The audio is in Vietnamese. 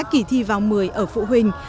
kỳ thi vào một mươi ở phụ huynh